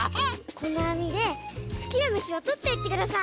このあみですきなむしをとっていってください。